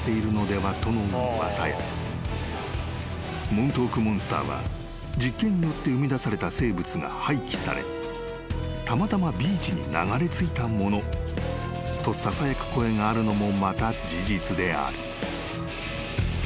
［モントークモンスターは実験によって生みだされた生物が廃棄されたまたまビーチに流れ着いたものとささやく声があるのもまた事実である］